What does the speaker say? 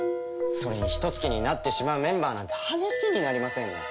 それにヒトツ鬼になってしまうメンバーなんて話になりませんね。